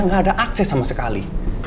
nggak ada akses sama sekali